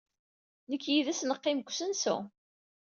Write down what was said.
Nekk yid-s neqqim deg usensu.